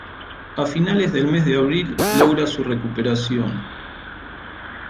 A finales del mes de abril logra su recuperación.